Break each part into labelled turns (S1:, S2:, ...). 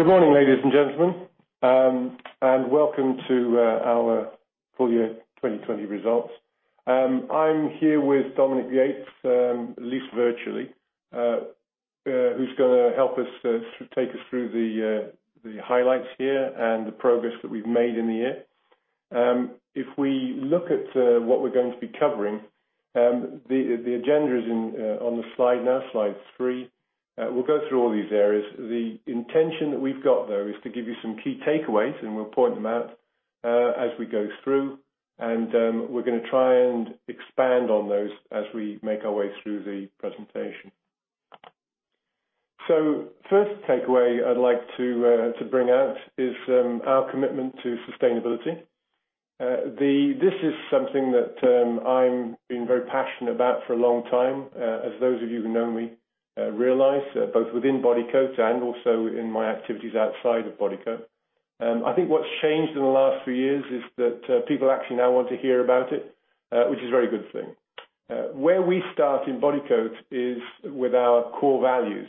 S1: Good morning, ladies and gentlemen, and welcome to our Full Year 2020 results. I'm here with Dominique Yates, at least virtually, who's going to help us take us through the highlights here and the progress that we've made in the year. If we look at what we're going to be covering, the agenda is on the slide now, slide three. We'll go through all these areas. The intention that we've got, though, is to give you some key takeaways, and we'll point them out as we go through. We're going to try and expand on those as we make our way through the presentation. So first takeaway I'd like to bring out is our commitment to sustainability. This is something that I've been very passionate about for a long time, as those of you who know me realize, both within Bodycote and also in my activities outside of Bodycote. I think what's changed in the last few years is that people actually now want to hear about it, which is a very good thing. Where we start in Bodycote is with our core values.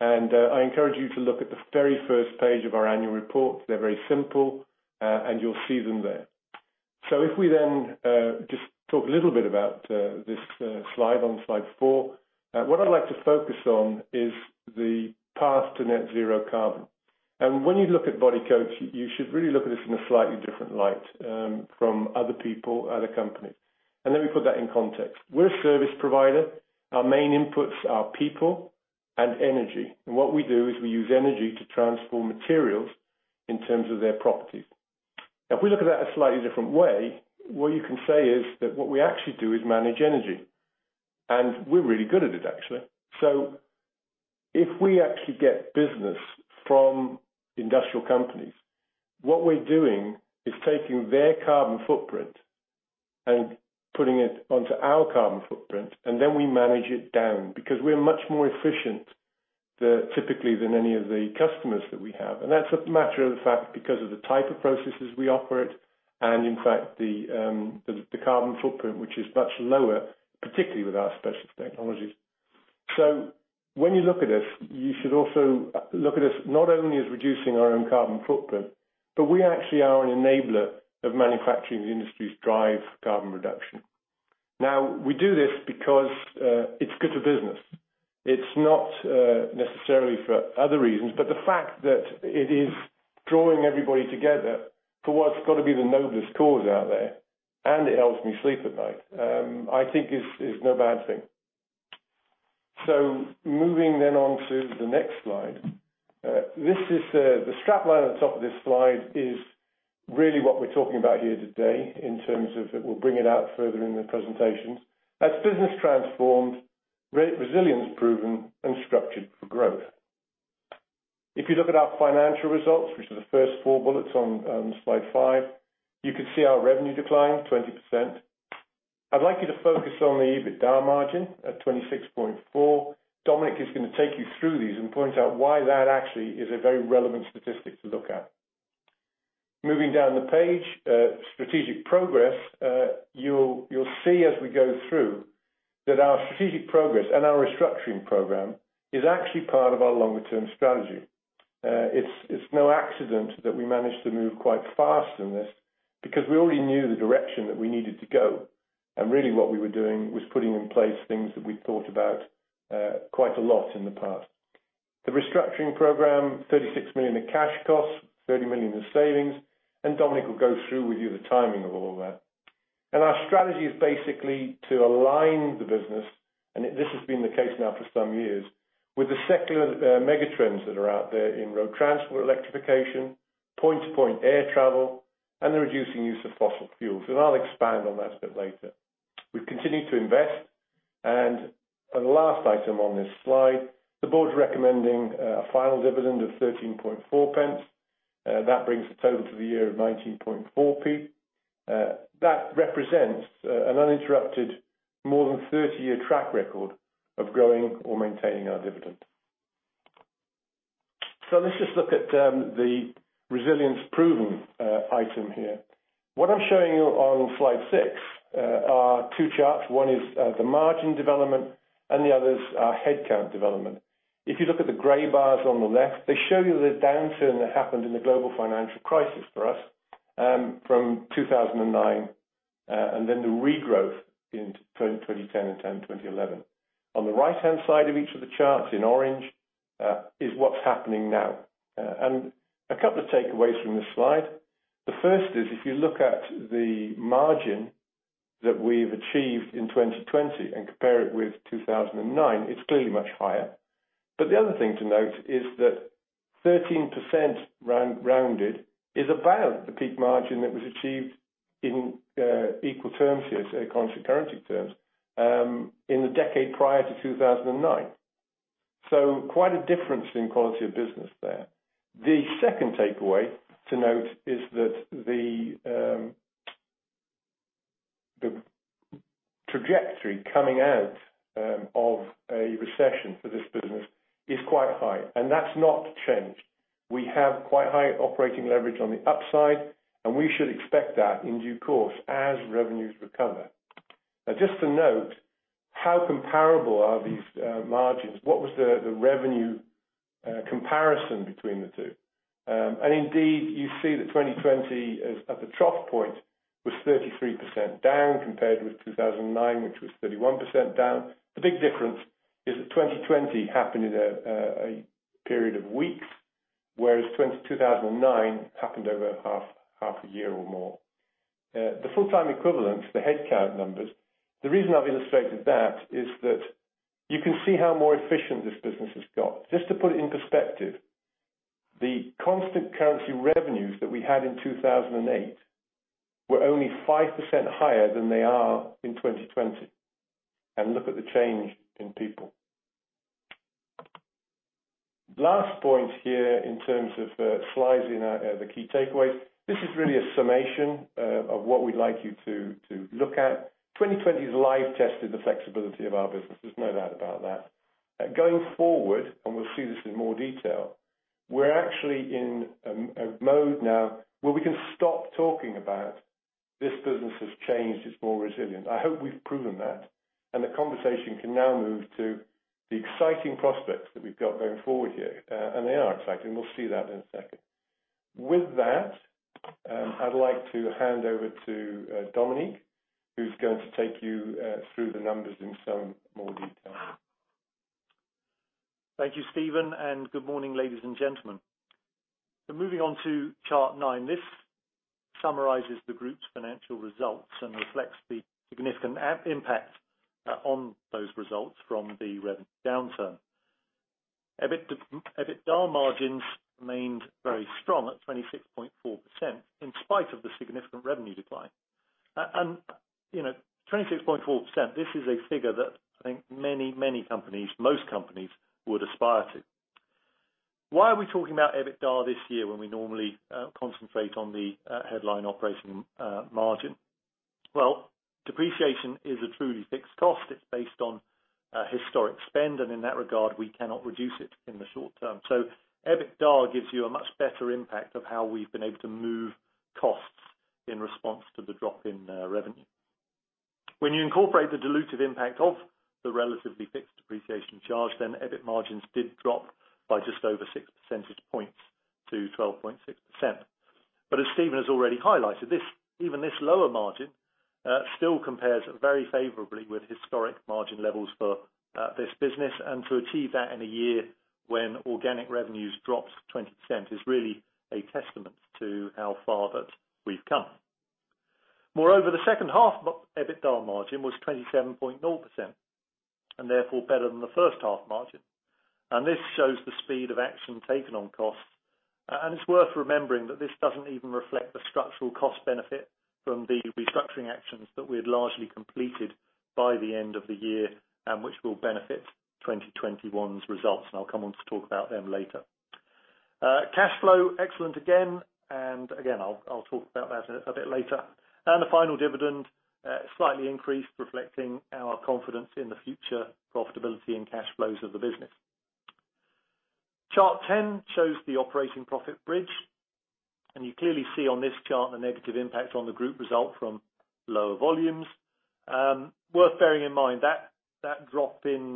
S1: I encourage you to look at the very first page of our annual report. They're very simple, and you'll see them there. So if we then just talk a little bit about this slide on slide four, what I'd like to focus on is the path to net-zero carbon. And when you look at Bodycote, you should really look at this in a slightly different light from other people, other companies. And then we put that in context. We're a service provider. Our main inputs are people and energy. What we do is we use energy to transform materials in terms of their properties. Now, if we look at that a slightly different way, what you can say is that what we actually do is manage energy. We're really good at it, actually. If we actually get business from industrial companies, what we're doing is taking their carbon footprint and putting it onto our carbon footprint, and then we manage it down because we're much more efficient, typically than any of the customers that we have. That's a matter of the fact because of the type of processes we operate and, in fact, the carbon footprint, which is much lower, particularly with our Specialist Technologies. So when you look at us, you should also look at us not only as reducing our own carbon footprint, but we actually are an enabler of manufacturing the industry's drive carbon reduction. Now, we do this because it's good for business. It's not necessarily for other reasons. But the fact that it is drawing everybody together for what's got to be the noblest cause out there, and it helps me sleep at night, I think is no bad thing. So moving then on to the next slide, this is the strap line at the top of this slide is really what we're talking about here today in terms of it will bring it out further in the presentations. That's business transformed, resilience proven, and structured for growth. If you look at our financial results, which are the first four bullets on slide five, you can see our revenue decline, 20%. I'd like you to focus on the EBITDA margin, 26.4%. Dominique is going to take you through these and point out why that actually is a very relevant statistic to look at. Moving down the page, strategic progress, you'll see as we go through that our strategic progress and our restructuring program is actually part of our longer-term strategy. It's no accident that we managed to move quite fast in this because we already knew the direction that we needed to go. Really, what we were doing was putting in place things that we'd thought about quite a lot in the past. The restructuring program, 36 million of cash costs, 30 million of savings, and Dominique will go through with you the timing of all of that. Our strategy is basically to align the business, and this has been the case now for some years, with the secular megatrends that are out there in road transport, electrification, point-to-point air travel, and the reducing use of fossil fuels. I'll expand on that a bit later. We've continued to invest. The last item on this slide, the board's recommending a final dividend of 13.4 pence. That brings the total for the year to 19.4p. That represents an uninterrupted more than 30-year track record of growing or maintaining our dividend. Let's just look at the resilience-proven item here. What I'm showing you on slide six are two charts. One is, the margin development, and the others are headcount development. If you look at the gray bars on the left, they show you the downturn that happened in the global financial crisis for us, from 2009, and then the regrowth in 2010 and 2011. On the right-hand side of each of the charts in orange, is what's happening now. And a couple of takeaways from this slide. The first is, if you look at the margin that we've achieved in 2020 and compare it with 2009, it's clearly much higher. But the other thing to note is that 13% rounded is about the peak margin that was achieved in constant currency terms in the decade prior to 2009. So quite a difference in quality of business there. The second takeaway to note is that the trajectory coming out of a recession for this business is quite high. That's not changed. We have quite high operating leverage on the upside. We should expect that in due course as revenues recover. Now, just to note, how comparable are these margins? What was the revenue comparison between the two? And indeed, you see that 2020, as at the trough point, was 33% down compared with 2009, which was 31% down. The big difference is that 2020 happened in a period of weeks, whereas 2009 happened over half a year or more. The full-time equivalents, the headcount numbers, the reason I've illustrated that is that you can see how more efficient this business has got. Just to put it in perspective, the constant currency revenues that we had in 2008 were only 5% higher than they are in 2020. And look at the change in people. Last point here in terms of slides in our the key takeaways. This is really a summation of what we'd like you to look at. 2020 has live tested the flexibility of our business. There's no doubt about that. Going forward, and we'll see this in more detail, we're actually in a mode now where we can stop talking about this business has changed. It's more resilient. I hope we've proven that. And the conversation can now move to the exciting prospects that we've got going forward here. And they are exciting. We'll see that in a second. With that, I'd like to hand over to Dominique, who's going to take you through the numbers in some more detail.
S2: Thank you, Stephen. Good morning, ladies and gentlemen. So moving on to chart nine. This summarizes the group's financial results and reflects the significant impact on those results from the revenue downturn. EBITDA margins remained very strong at 26.4% in spite of the significant revenue decline. And, you know, 26.4%, this is a figure that I think many, many companies, most companies, would aspire to. Why are we talking about EBITDA this year when we normally concentrate on the headline operating margin? Well, depreciation is a truly fixed cost. It's based on historic spend. And in that regard, we cannot reduce it in the short term. So EBITDA gives you a much better impact of how we've been able to move costs in response to the drop in revenue. When you incorporate the dilutive impact of the relatively fixed depreciation charge, then EBIT margins did drop by just over 6 percentage points to 12.6%. But as Stephen has already highlighted, this, even this lower margin, still compares very favorably with historic margin levels for this business. And to achieve that in a year when organic revenues dropped 20% is really a testament to how far we've come. Moreover, the second half's EBITDA margin was 27.0% and therefore better than the first half margin. And this shows the speed of action taken on costs. And it's worth remembering that this doesn't even reflect the structural cost benefit from the restructuring actions that we had largely completed by the end of the year and which will benefit 2021's results. And I'll come on to talk about them later. Cash flow, excellent again. And again, I'll, I'll talk about that a bit later. The final dividend, slightly increased, reflecting our confidence in the future profitability and cash flows of the business. Chart 10 shows the operating profit bridge. You clearly see on this chart the negative impact on the group result from lower volumes. Worth bearing in mind, that drop in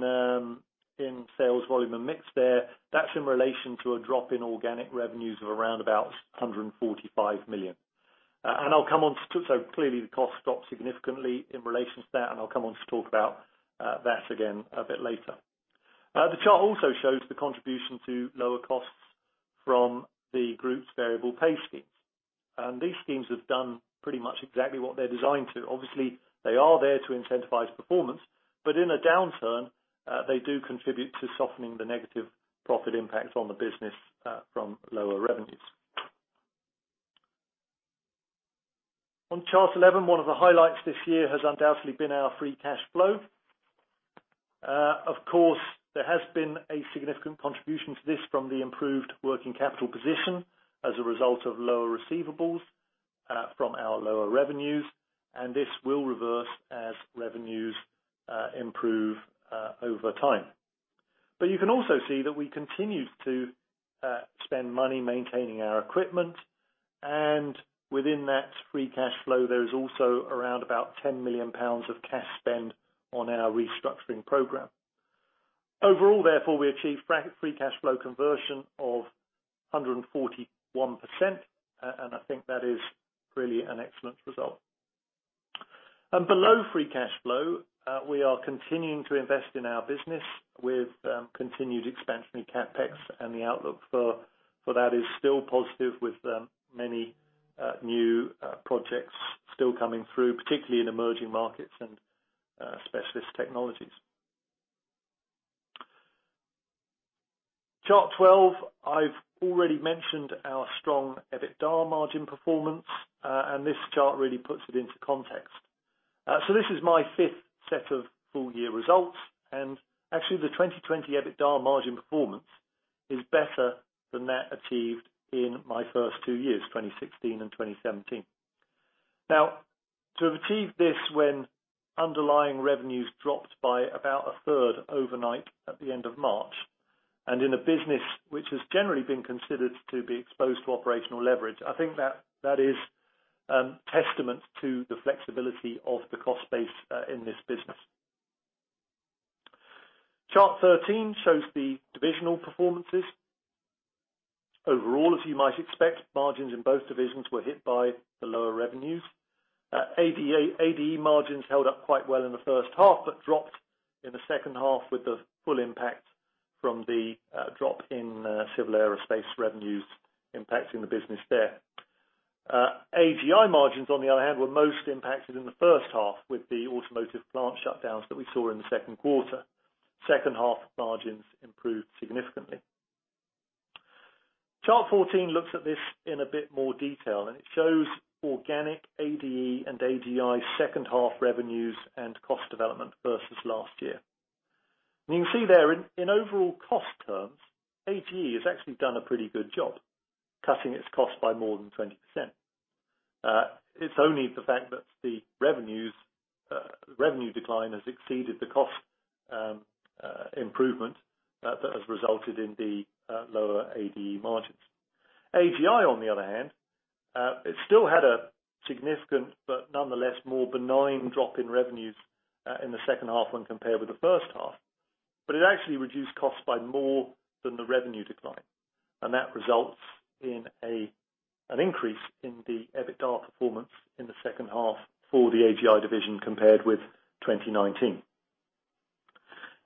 S2: sales volume and mix there, that's in relation to a drop in organic revenues of around about 145 million. And I'll come on to, so clearly, the costs dropped significantly in relation to that. And I'll come on to talk about that again a bit later. The chart also shows the contribution to lower costs from the group's variable pay schemes. And these schemes have done pretty much exactly what they're designed to. Obviously, they are there to incentivize performance. But in a downturn, they do contribute to softening the negative profit impact on the business, from lower revenues. On chart 11, one of the highlights this year has undoubtedly been our free cash flow. Of course, there has been a significant contribution to this from the improved working capital position as a result of lower receivables, from our lower revenues. And this will reverse as revenues improve, over time. But you can also see that we continued to spend money maintaining our equipment. And within that free cash flow, there is also around about 10 million pounds of cash spend on our restructuring program. Overall, therefore, we achieved a free cash flow conversion of 141%. And I think that is really an excellent result. And below free cash flow, we are continuing to invest in our business with continued expansionary CapEx. The outlook for that is still positive with many new projects still coming through, particularly in emerging markets and Specialist Technologies. Chart 12, I've already mentioned our strong EBITDA margin performance. This chart really puts it into context. This is my fifth set of full-year results. And actually, the 2020 EBITDA margin performance is better than that achieved in my first two years, 2016 and 2017. Now, to have achieved this when underlying revenues dropped by about a third overnight at the end of March and in a business which has generally been considered to be exposed to operational leverage, I think that is testament to the flexibility of the cost base in this business. Chart 13 shows the divisional performances. Overall, as you might expect, margins in both divisions were hit by the lower revenues. ADE margins held up quite well in the first half but dropped in the second half with the full impact from the drop in civil aerospace revenues impacting the business there. AGI margins, on the other hand, were most impacted in the first half with the automotive plant shutdowns that we saw in the second quarter. Second half margins improved significantly. Chart 14 looks at this in a bit more detail. It shows organic ADE and AGI second half revenues and cost development versus last year. You can see there, in overall cost terms, AGI has actually done a pretty good job cutting its costs by more than 20%. It's only the fact that the revenue decline has exceeded the cost improvement that has resulted in the lower ADE margins. AGI, on the other hand, it still had a significant but nonetheless more benign drop in revenues, in the second half when compared with the first half. It actually reduced costs by more than the revenue decline. That results in an increase in the EBITDA performance in the second half for the AGI division compared with 2019.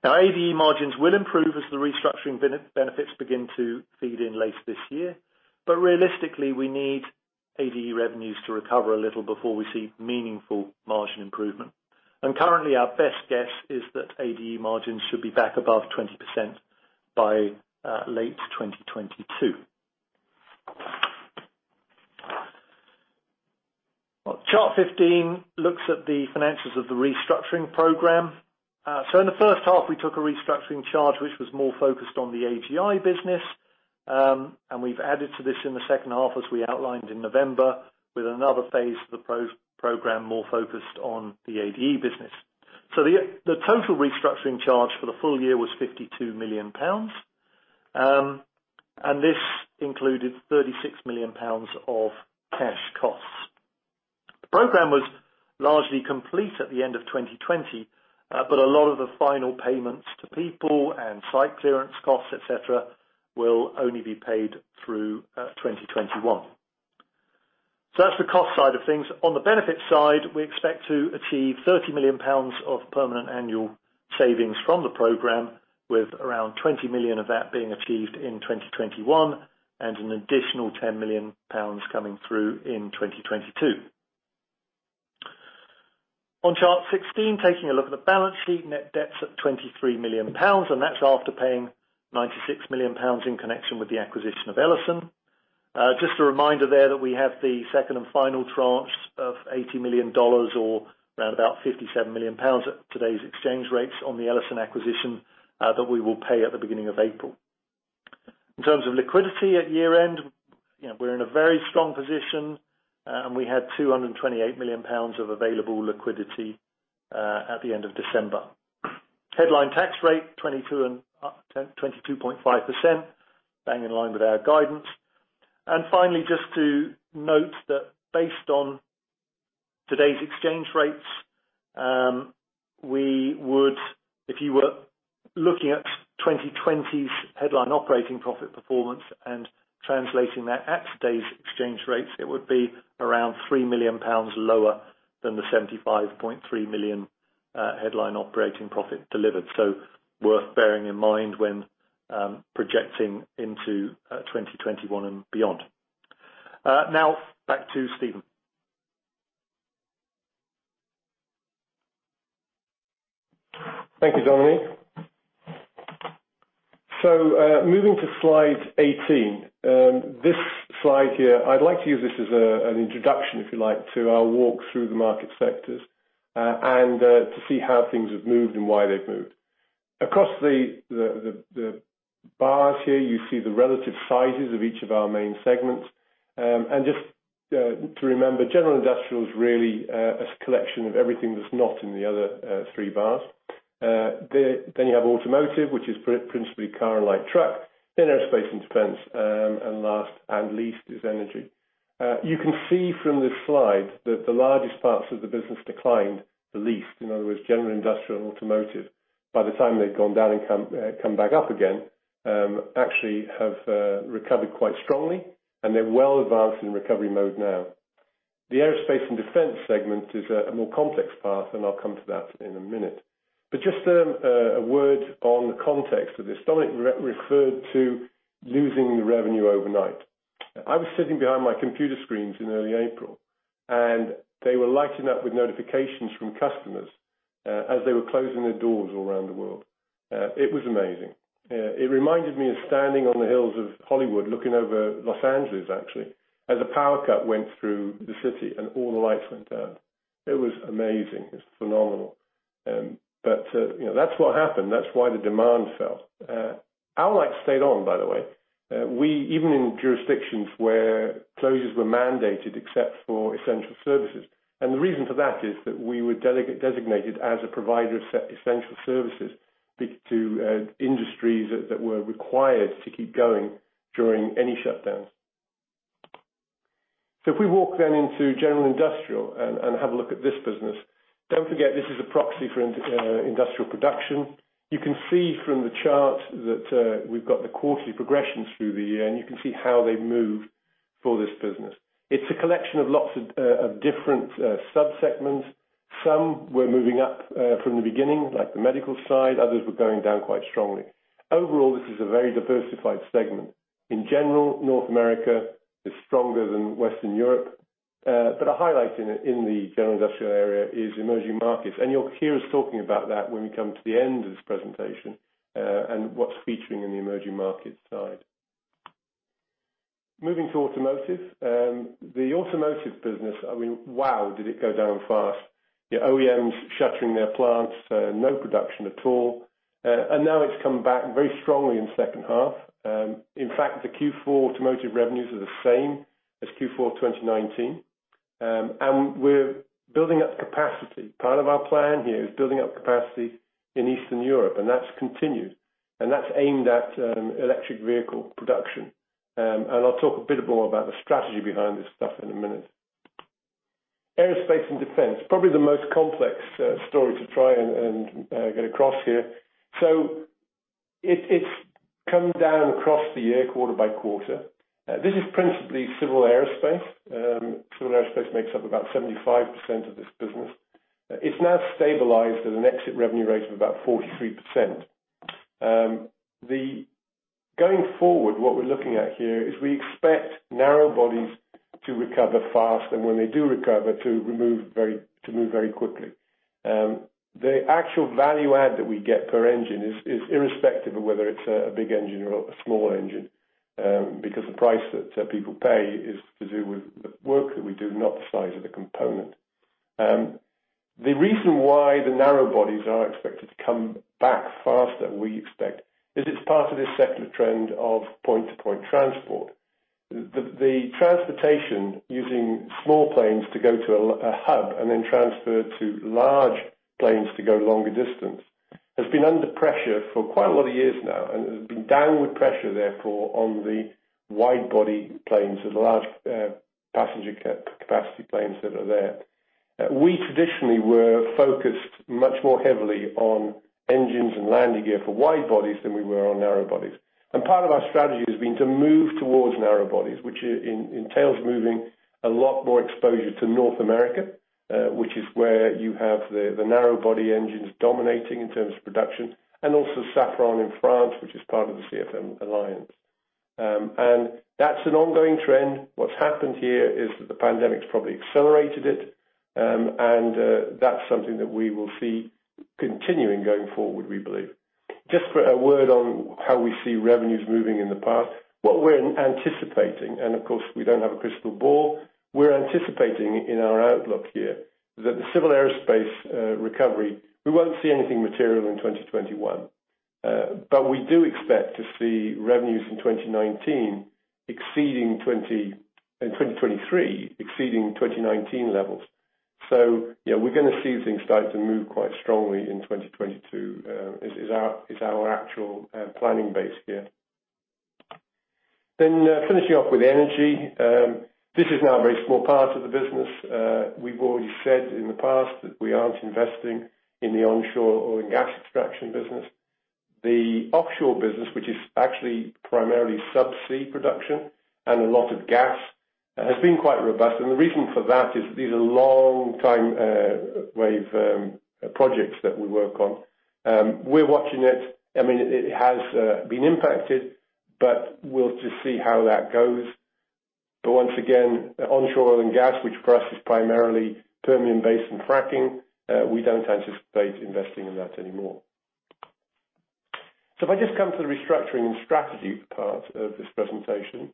S2: Now, ADE margins will improve as the restructuring benefits begin to feed in late this year. Realistically, we need ADE revenues to recover a little before we see meaningful margin improvement. Currently, our best guess is that ADE margins should be back above 20% by late 2022. Chart 15 looks at the finances of the restructuring program. So in the first half, we took a restructuring charge which was more focused on the AGI business. We've added to this in the second half, as we outlined in November, with another phase of the pro program more focused on the ADE business. So the total restructuring charge for the full year was 52 million pounds. This included 36 million pounds of cash costs. The program was largely complete at the end of 2020. A lot of the final payments to people and site clearance costs, etc., will only be paid through 2021. So that's the cost side of things. On the benefit side, we expect to achieve 30 million pounds of permanent annual savings from the program, with around 20 million of that being achieved in 2021 and an additional 10 million pounds coming through in 2022. On chart 16, taking a look at the balance sheet, net debts at 23 million pounds. That's after paying 96 million pounds in connection with the acquisition of Ellison. Just a reminder there that we have the second and final tranche of $80 million or around about 57 million pounds at today's exchange rates on the Ellison acquisition, that we will pay at the beginning of April. In terms of liquidity at year-end, you know, we're in a very strong position. We had 228 million pounds of available liquidity, at the end of December. Headline tax rate, 22%-22.5%, bang in line with our guidance. Finally, just to note that based on today's exchange rates, we would if you were looking at 2020's headline operating profit performance and translating that at today's exchange rates, it would be around 3 million pounds lower than the 75.3 million headline operating profit delivered. So worth bearing in mind when, projecting into, 2021 and beyond. Now, back to Stephen.
S1: Thank you, Dominique. So, moving to slide 18, this slide here, I'd like to use this as an introduction, if you like, to our walk through the market sectors, and to see how things have moved and why they've moved. Across the bars here, you see the relative sizes of each of our main segments. And just to remember, general industrial is really a collection of everything that's not in the other three bars. There then you have automotive, which is principally car and light truck, then aerospace and defense. And last and least is energy. You can see from this slide that the largest parts of the business declined the least. In other words, general industrial and automotive, by the time they've gone down and come back up again, actually have recovered quite strongly. And they're well advanced in recovery mode now. The aerospace and defense segment is a more complex path. I'll come to that in a minute. But just a word on the context of this. Dominique referred to losing the revenue overnight. I was sitting behind my computer screens in early April. And they were lighting up with notifications from customers, as they were closing their doors all around the world. It was amazing. It reminded me of standing on the hills of Hollywood looking over Los Angeles, actually, as a power cut went through the city and all the lights went out. It was amazing. It was phenomenal. But, you know, that's what happened. That's why the demand fell. Our lights stayed on, by the way. We even in jurisdictions where closures were mandated except for essential services. The reason for that is that we were designated as a provider of essential services to industries that were required to keep going during any shutdowns. So if we walk into general industrial and have a look at this business, don't forget, this is a proxy for industrial production. You can see from the chart that we've got the quarterly progressions through the year. You can see how they've moved for this business. It's a collection of lots of different subsegments. Some were moving up from the beginning, like the medical side. Others were going down quite strongly. Overall, this is a very diversified segment. In general, North America is stronger than Western Europe. But a highlight in it, in the general industrial area, is emerging markets. You'll hear us talking about that when we come to the end of this presentation, and what's featuring in the emerging markets side. Moving to automotive, the automotive business, I mean, wow, did it go down fast. You know, OEMs shuttering their plants, no production at all. Now it's come back very strongly in second half. In fact, the Q4 automotive revenues are the same as Q4 2019. We're building up capacity. Part of our plan here is building up capacity in Eastern Europe. That's continued. That's aimed at electric vehicle production. I'll talk a bit more about the strategy behind this stuff in a minute. Aerospace and defense, probably the most complex story to try and get across here. So it's come down across the year quarter-by-quarter. This is principally civil aerospace. Civil aerospace makes up about 75% of this business. It's now stabilized at an exit revenue rate of about 43%. Going forward, what we're looking at here is we expect narrow bodies to recover fast. And when they do recover, to remove very to move very quickly. The actual value add that we get per engine is irrespective of whether it's a big engine or a small engine, because the price that people pay is to do with the work that we do, not the size of the component. The reason why the narrow bodies are expected to come back faster, we expect, is it's part of this secular trend of point-to-point transport. The transportation using small planes to go to a L.A. hub and then transfer to large planes to go longer distance has been under pressure for quite a lot of years now. And it's been downward pressure, therefore, on the wide-body planes and the large, passenger capacity planes that are there. We traditionally were focused much more heavily on engines and landing gear for wide bodies than we were on narrow bodies. And part of our strategy has been to move towards narrow bodies, which in entails moving a lot more exposure to North America, which is where you have the, the narrow-body engines dominating in terms of production and also Safran in France, which is part of the CFM alliance. And that's an ongoing trend. What's happened here is that the pandemic's probably accelerated it. And, that's something that we will see continuing going forward, we believe. Just for a word on how we see revenues moving in the past, what we're anticipating and, of course, we don't have a crystal ball. We're anticipating in our outlook here that the civil aerospace recovery we won't see anything material in 2021. But we do expect to see revenues in 2019 exceeding 2020 in 2023, exceeding 2019 levels. So, you know, we're going to see things start to move quite strongly in 2022. Is our actual planning base here. Then, finishing off with energy, this is now a very small part of the business. We've already said in the past that we aren't investing in the onshore oil and gas extraction business. The offshore business, which is actually primarily subsea production and a lot of gas, has been quite robust. And the reason for that is that these are long-time wave projects that we work on. We're watching it. I mean, it has been impacted. But we'll just see how that goes. But once again, onshore oil and gas, which for us is primarily Permian Basin fracking, we don't anticipate investing in that anymore. So if I just come to the restructuring and strategy part of this presentation,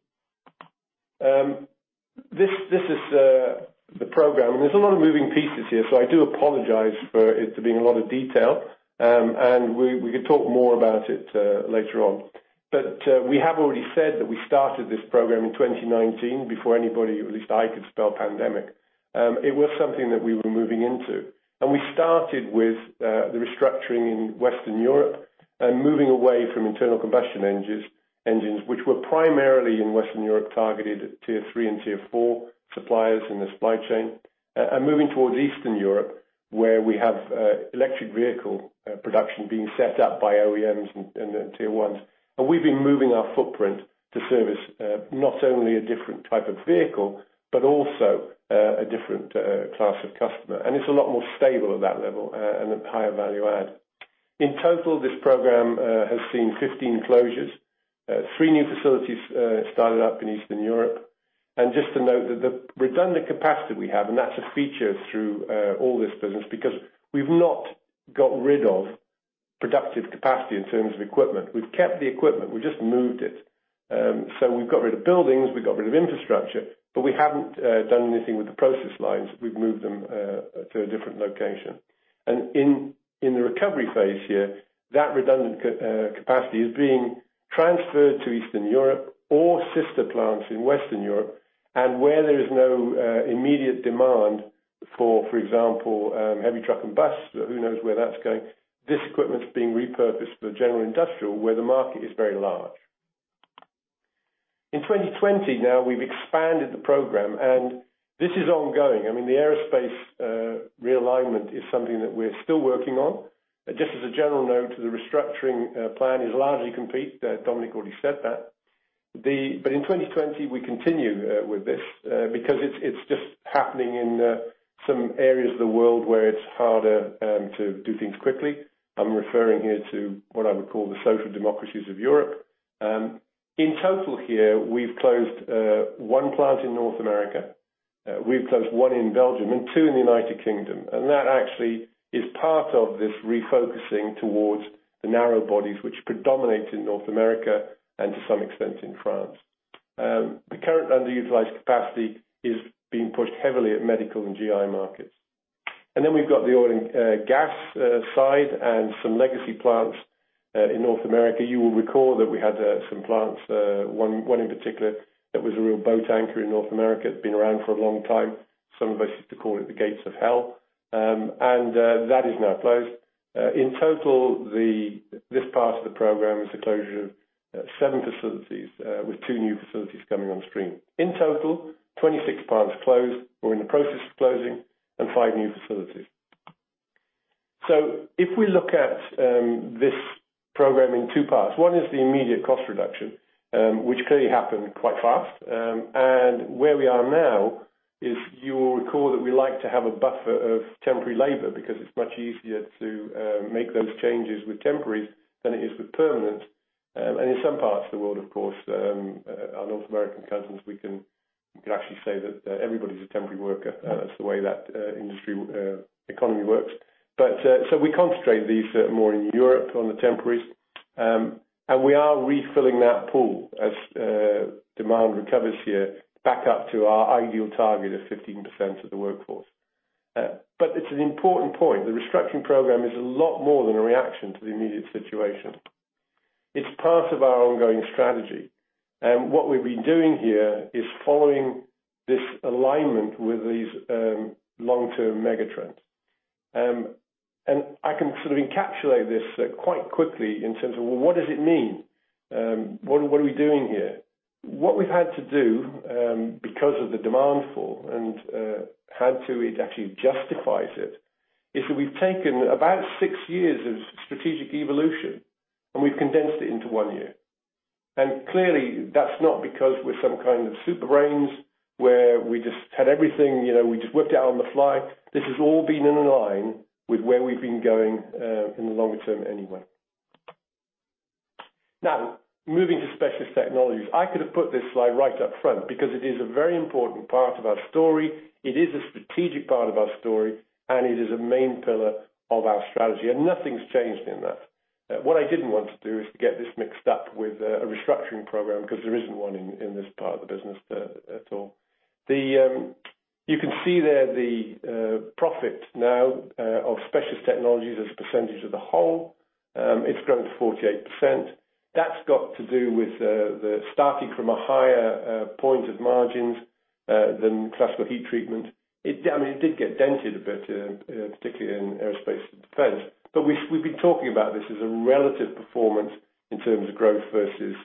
S1: this, this is the program. And there's a lot of moving pieces here. So I do apologize for it to be in a lot of detail, and we, we could talk more about it later on. But we have already said that we started this program in 2019 before anybody, at least I, could spell pandemic. It was something that we were moving into. We started with the restructuring in Western Europe and moving away from internal combustion engines, which were primarily in Western Europe targeted at Tier 3 and Tier 4 suppliers in the supply chain, and moving towards Eastern Europe, where we have electric vehicle production being set up by OEMs and tier ones. And we've been moving our footprint to service not only a different type of vehicle but also a different class of customer. And it's a lot more stable at that level, and a higher value add. In total, this program has seen 15 closures, three new facilities started up in Eastern Europe. And just to note that the redundant capacity we have and that's a feature through all this business because we've not got rid of productive capacity in terms of equipment. We've kept the equipment. We've just moved it. So we've got rid of buildings. We've got rid of infrastructure. But we haven't done anything with the process lines. We've moved them to a different location. And in the recovery phase here, that redundant capacity is being transferred to Eastern Europe or sister plants in Western Europe. And where there is no immediate demand for, for example, heavy truck and bus, who knows where that's going, this equipment's being repurposed for general industrial where the market is very large. In 2020 now, we've expanded the program. And this is ongoing. I mean, the aerospace realignment is something that we're still working on. Just as a general note, the restructuring plan is largely complete. Dominique already said that. But in 2020, we continue with this, because it's just happening in some areas of the world where it's harder to do things quickly. I'm referring here to what I would call the social democracies of Europe. In total here, we've closed one plant in North America. We've closed one in Belgium and two in the United Kingdom. And that actually is part of this refocusing towards the narrow bodies, which predominate in North America and to some extent in France. The current underutilized capacity is being pushed heavily at medical and GI markets. And then we've got the oil and gas side and some legacy plants in North America. You will recall that we had some plants, one, one in particular that was a real boat anchor in North America. It's been around for a long time. Some of us used to call it the gates of hell. And that is now closed. In total, this part of the program is the closure of seven facilities, with two new facilities coming on stream. In total, 26 plants closed. We're in the process of closing and five new facilities. So if we look at this program in two parts, one is the immediate cost reduction, which clearly happened quite fast. And where we are now is you will recall that we like to have a buffer of temporary labor because it's much easier to make those changes with temporaries than it is with permanents. And in some parts of the world, of course, on North American continents, we could actually say that everybody's a temporary worker. That's the way that industry economy works. But so we concentrate these more in Europe on the temporaries. We are refilling that pool as demand recovers here back up to our ideal target of 15% of the workforce. But it's an important point. The restructuring program is a lot more than a reaction to the immediate situation. It's part of our ongoing strategy. And what we've been doing here is following this alignment with these long-term megatrends. And I can sort of encapsulate this quite quickly in terms of, well, what does it mean? What, what are we doing here? What we've had to do, because of the demand for and, had to it actually justifies it, is that we've taken about six years of strategic evolution. And we've condensed it into one year. And clearly, that's not because we're some kind of super brains where we just had everything, you know, we just worked it out on the fly. This has all been in line with where we've been going, in the longer term anyway. Now, moving to Specialist Technologies, I could have put this slide right up front because it is a very important part of our story. It is a strategic part of our story. And it is a main pillar of our strategy. And nothing's changed in that. What I didn't want to do is to get this mixed up with a restructuring program because there isn't one in this part of the business, at all. You can see there the profit now of Specialist Technologies as a percentage of the whole. It's grown to 48%. That's got to do with the starting from a higher point of margins than Classical Heat Treatment. I mean, it did get dented a bit, particularly in aerospace and defense. But we've been talking about this as a relative performance in terms of growth versus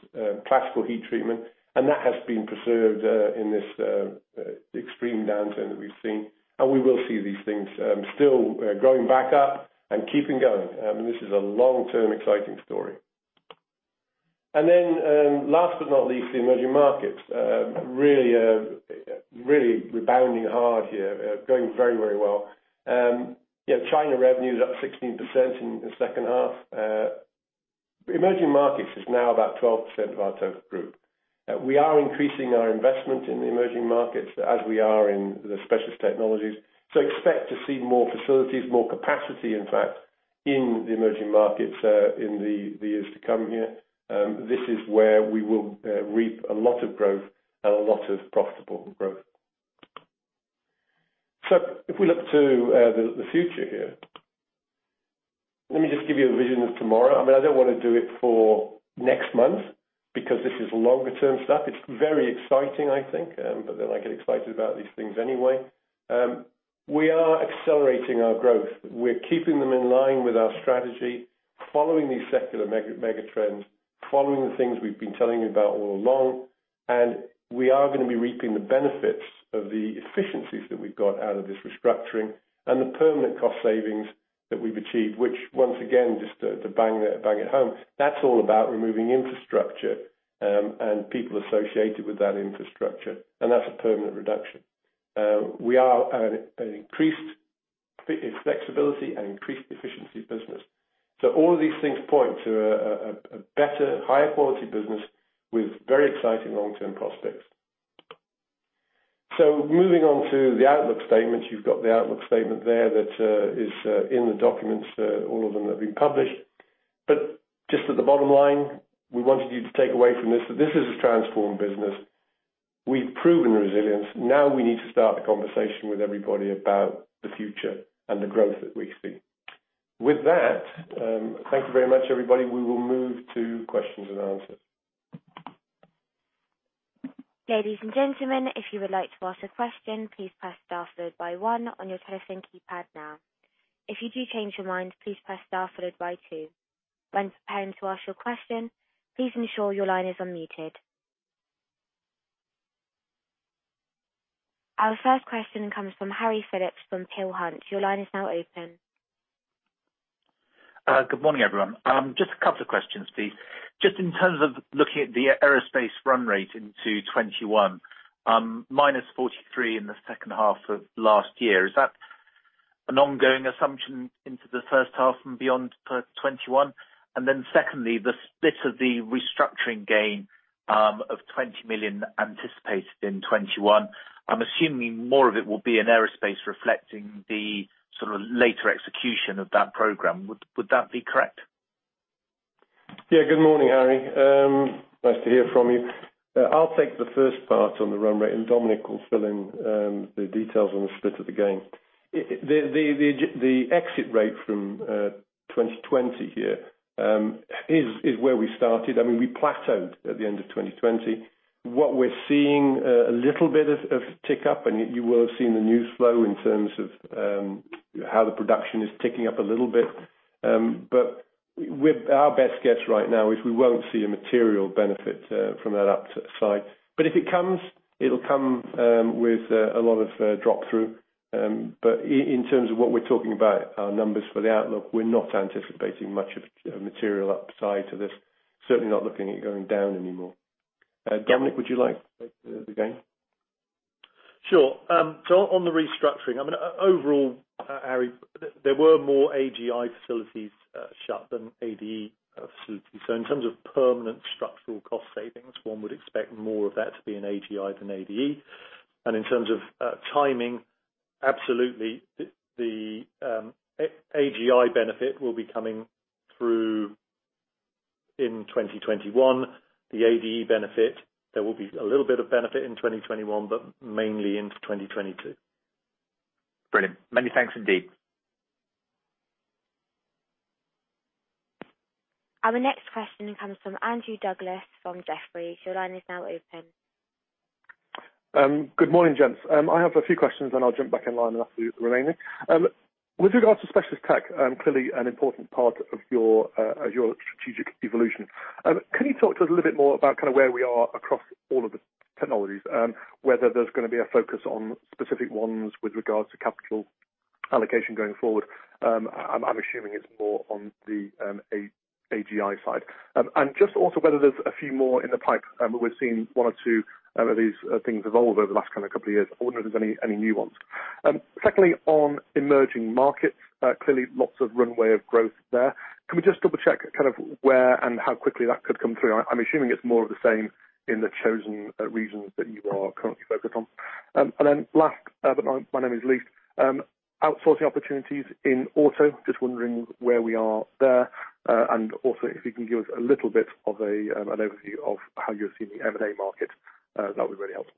S1: Classical Heat Treatment. And that has been preserved in this extreme downturn that we've seen. And we will see these things still growing back up and keeping going. And this is a long-term exciting story. And then, last but not least, the emerging markets really rebounding hard here, going very, very well. You know, China revenue's up 16% in the second half. Emerging markets is now about 12% of our total group. We are increasing our investment in the emerging markets as we are in the Specialist Technologies. So expect to see more facilities, more capacity, in fact, in the emerging markets in the years to come here. This is where we will reap a lot of growth and a lot of profitable growth. So if we look to the future here, let me just give you a vision of tomorrow. I mean, I don't want to do it for next month because this is longer-term stuff. It's very exciting, I think, but then I get excited about these things anyway. We are accelerating our growth. We're keeping them in line with our strategy, following these secular megatrends, following the things we've been telling you about all along. And we are going to be reaping the benefits of the efficiencies that we've got out of this restructuring and the permanent cost savings that we've achieved, which, once again, just to bang the drum at home, that's all about removing infrastructure, and people associated with that infrastructure. And that's a permanent reduction. We are an increased flexibility and increased efficiency business. So all of these things point to a better, higher-quality business with very exciting long-term prospects. So moving on to the outlook statements, you've got the outlook statement there that is in the documents, all of them that have been published. But just at the bottom line, we wanted you to take away from this that this is a transformed business. We've proven resilience. Now we need to start the conversation with everybody about the future and the growth that we see. With that, thank you very much, everybody. We will move to questions and answers.
S3: Ladies and gentlemen, if you would like to ask a question, please press star followed by one on your telephone keypad now. If you do change your mind, please press star followed by two. When preparing to ask your question, please ensure your line is unmuted. Our first question comes from Harry Philips from Peel Hunt. Your line is now open.
S4: Good morning, everyone. Just a couple of questions, please. Just in terms of looking at the aerospace run rate into 2021, -43% in the second half of last year, is that an ongoing assumption into the first half and beyond for 2021? And then secondly, the split of the restructuring gain of 20 million anticipated in 2021, I'm assuming more of it will be in aerospace reflecting the sort of later execution of that program. Would that be correct?
S1: Yeah. Good morning, Harry. Nice to hear from you. I'll take the first part on the run rate. And Dominique will fill in the details on the split of the gain. It, the exit rate from 2020 here is where we started. I mean, we plateaued at the end of 2020. What we're seeing, a little bit of tick up. And you will have seen the news flow in terms of how the production is ticking up a little bit. But our best guess right now is we won't see a material benefit from that upside. But if it comes, it'll come with a lot of drop-through. But in terms of what we're talking about, our numbers for the outlook, we're not anticipating much of material upside to this, certainly not looking at it going down anymore. Dominique, would you like to take the gain?
S2: Sure. So on the restructuring, I mean, overall, Harry, there were more AGI facilities shut than ADE facilities. So in terms of permanent structural cost savings, one would expect more of that to be in AGI than ADE. And in terms of timing, absolutely, the AGI benefit will be coming through in 2021. The ADE benefit, there will be a little bit of benefit in 2021 but mainly into 2022.
S4: Brilliant. Many thanks, indeed.
S3: Our next question comes from Andrew Douglas from Jefferies. Your line is now open.
S5: Good morning, gents. I have a few questions, and I'll jump back in line and ask the, the remaining. With regards to specialist tech, clearly an important part of your, of your strategic evolution. Can you talk to us a little bit more about kind of where we are across all of the technologies, whether there's going to be a focus on specific ones with regards to capital allocation going forward? I'm, I'm assuming it's more on the, AGI side. And just also whether there's a few more in the pipe. We've seen one or two, of these, things evolve over the last kind of couple of years. I wonder if there's any, any new ones. Secondly, on emerging markets, clearly lots of runway of growth there. Can we just double-check kind of where and how quickly that could come through? I'm assuming it's more of the same in the chosen regions that you are currently focused on. And then last but not least, outsourcing opportunities in auto. Just wondering where we are there, and also if you can give us a little bit of an overview of how you're seeing the M&A market. That would be really helpful.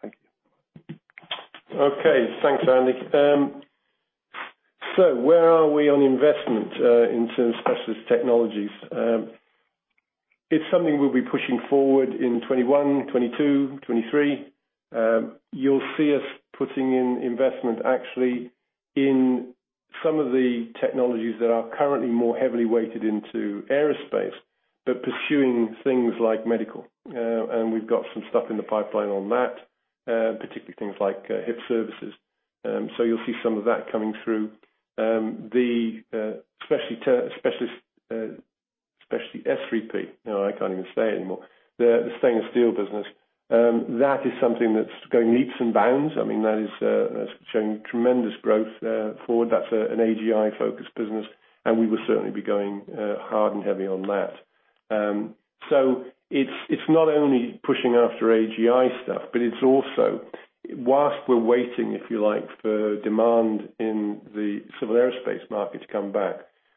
S5: Thank you.
S2: Okay. Thanks, Andy. So where are we on investment, in terms of Specialist Technologies? It's something we'll be pushing forward in 2021, 2022, 2023. You'll see us putting in investment actually in some of the technologies that are currently more heavily weighted into aerospace but pursuing things like medical. And we've got some stuff in the pipeline on that, particularly things like HIP services. So you'll see some of that coming through. The specialty, specialist, specialty S3P. No, I can't even say it anymore. The, the stainless steel business. That is something that's going leaps and bounds. I mean, that is, that's showing tremendous growth forward. That's a, an AGI-focused business. And we will certainly be going hard and heavy on that. So it's not only pushing after AGI stuff, but it's also while we're waiting, if you like, for demand in the civil aerospace market to come back,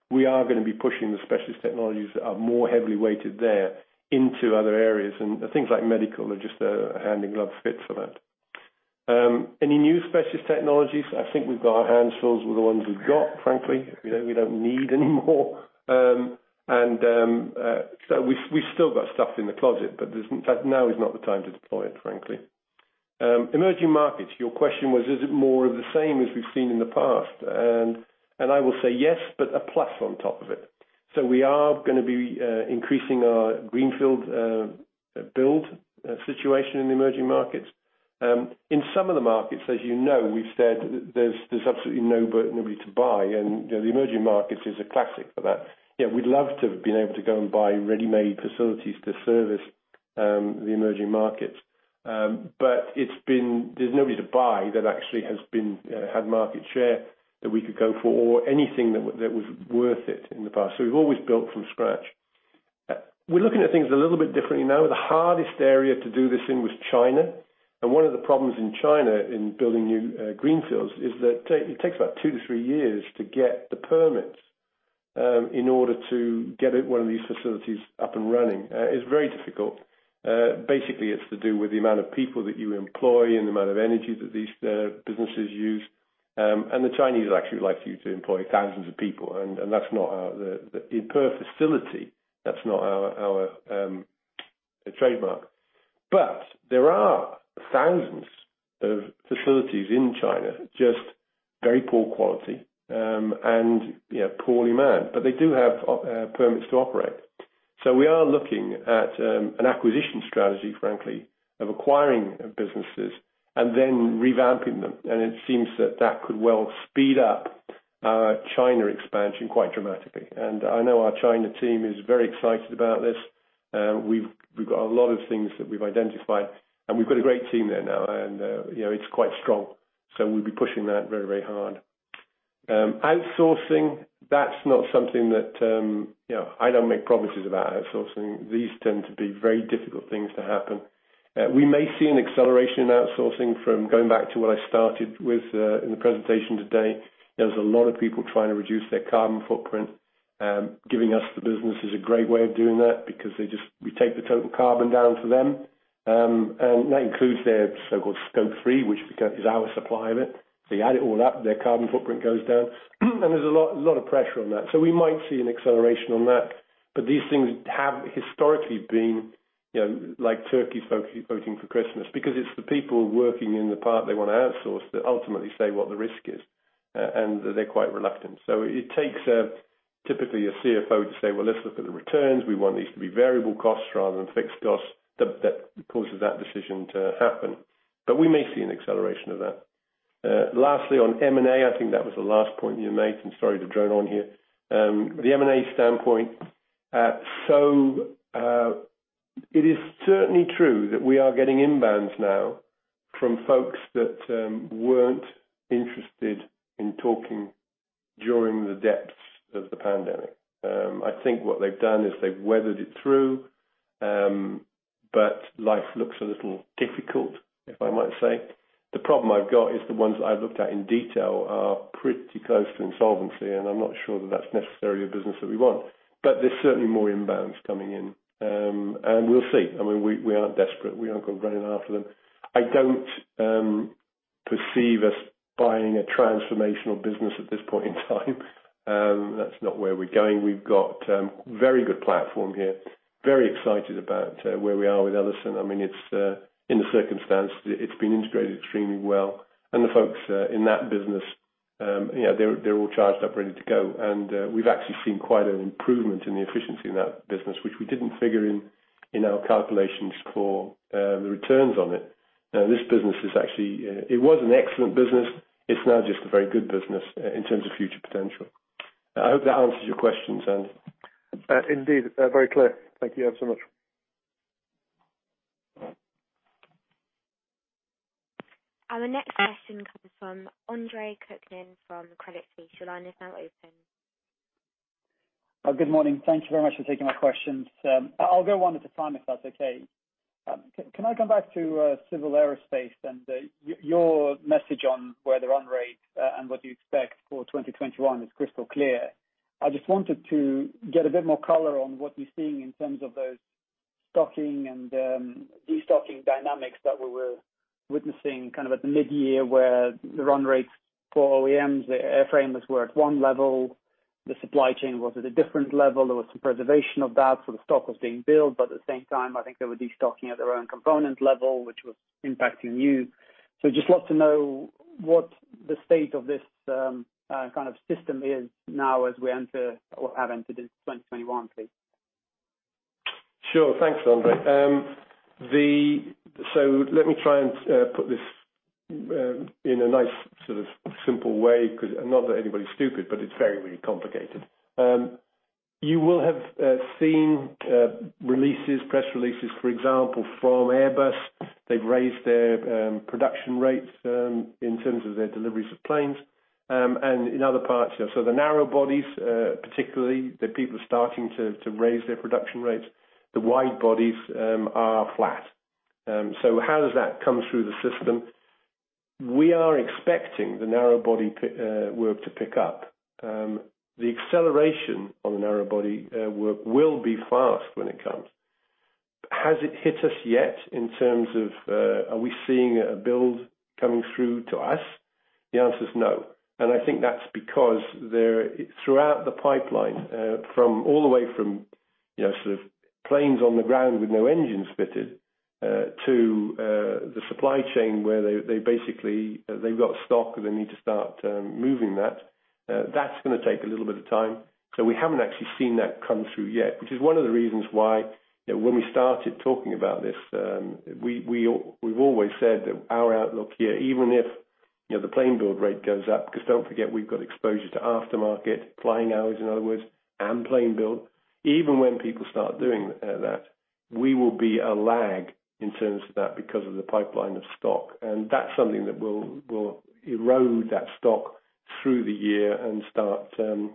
S2: we are going to be pushing the Specialist Technologies that are more heavily weighted there into other areas. And things like medical are just a hand-in-glove fit for that. Any new Specialist Technologies? I think we've got our hands full with the ones we've got, frankly. We don't need any more. And so we've still got stuff in the closet, but now is not the time to deploy it, frankly. Emerging markets, your question was, is it more of the same as we've seen in the past? And I will say yes but a plus on top of it. So we are going to be increasing our greenfield build situation in the emerging markets. In some of the markets, as you know, we've said there's absolutely nobody to buy. And, you know, the emerging markets is a classic for that. Yeah, we'd love to have been able to go and buy ready-made facilities to service the emerging markets. But it's been, there's nobody to buy that actually has had market share that we could go for or anything that was worth it in the past. So we've always built from scratch. We're looking at things a little bit differently now. The hardest area to do this in was China. And one of the problems in China in building new greenfields is that it takes about 2-3 years to get the permits in order to get one of these facilities up and running. It's very difficult. Basically, it's to do with the amount of people that you employ and the amount of energy that these businesses use. And the Chinese actually like for you to employ thousands of people. And that's not our input per facility; that's not our trademark. But there are thousands of facilities in China just very poor quality, and, you know, poorly manned. But they do have operating permits to operate. So we are looking at an acquisition strategy, frankly, of acquiring businesses and then revamping them. And it seems that that could well speed up our China expansion quite dramatically. And I know our China team is very excited about this. We've got a lot of things that we've identified. And we've got a great team there now. And, you know, it's quite strong. So we'll be pushing that very, very hard. Outsourcing, that's not something that, you know, I don't make promises about outsourcing. These tend to be very difficult things to happen. We may see an acceleration in outsourcing from going back to what I started with, in the presentation today. There was a lot of people trying to reduce their carbon footprint. Giving us the business is a great way of doing that because they just we take the total carbon down for them. And that includes their so-called Scope 3, which Bodycote is our supply of it. They add it all up. Their carbon footprint goes down. And there's a lot, a lot of pressure on that. So we might see an acceleration on that. But these things have historically been, you know, like turkeys voting, voting for Christmas because it's the people working in the part they want to outsource that ultimately say what the risk is, and that they're quite reluctant. So it, it takes, typically a CFO to say, "Well, let's look at the returns. We want these to be variable costs rather than fixed costs that, that causes that decision to happen." But we may see an acceleration of that. Lastly, on M&A, I think that was the last point you made. And sorry to drone on here. The M&A standpoint, so, it is certainly true that we are getting inbounds now from folks that, weren't interested in talking during the depths of the pandemic. I think what they've done is they've weathered it through. But life looks a little difficult, if I might say. The problem I've got is the ones that I've looked at in detail are pretty close to insolvency. I'm not sure that that's necessarily a business that we want. There's certainly more inbounds coming in, and we'll see. I mean, we aren't desperate. We aren't going running after them. I don't perceive us buying a transformational business at this point in time. That's not where we're going. We've got very good platform here, very excited about where we are with Ellison. I mean, it's in the circumstance, it's been integrated extremely well. And the folks in that business, you know, they're all charged up, ready to go. And we've actually seen quite an improvement in the efficiency in that business, which we didn't figure in our calculations for the returns on it. This business is actually. It was an excellent business. It's now just a very good business, in terms of future potential. I hope that answers your questions, Andy.
S5: Indeed. Very clear. Thank you ever so much.
S3: Our next question comes from Andre Kukhnin from Credit Suisse. Your line is now open.
S6: Good morning. Thank you very much for taking my questions. I'll go one at a time if that's okay. Can I come back to civil aerospace and your message on where the run rate and what you expect for 2021 is crystal clear? I just wanted to get a bit more color on what you're seeing in terms of those stocking and destocking dynamics that we were witnessing kind of at the mid-year where the run rates for OEMs, the airframers were at one level. The supply chain was at a different level. There was some preservation of that. So the stock was being built. But at the same time, I think they were destocking at their own component level, which was impacting you. So just love to know what the state of this kind of system is now as we enter or have entered into 2021, please.
S2: Sure. Thanks, Andrea. So let me try and put this in a nice sort of simple way because I'm not that anybody's stupid, but it's very, really complicated. You will have seen press releases, for example, from Airbus. They've raised their production rates in terms of their deliveries of planes. And in other parts, you know, so the narrow bodies, particularly, the people are starting to raise their production rates. The wide bodies are flat. So how does that come through the system? We are expecting the narrow body pi work to pick up. The acceleration on the narrow body work will be fast when it comes. Has it hit us yet in terms of are we seeing a build coming through to us? The answer's no. I think that's because there throughout the pipeline, from all the way from, you know, sort of planes on the ground with no engines fitted, to the supply chain where they basically they've got stock, and they need to start moving that. That's going to take a little bit of time. So we haven't actually seen that come through yet, which is one of the reasons why, you know, when we started talking about this, we've always said that our outlook here, even if, you know, the plane build rate goes up because don't forget we've got exposure to aftermarket, flying hours, in other words, and plane build, even when people start doing that, we will be a lag in terms of that because of the pipeline of stock. That's something that will erode that stock through the year and start going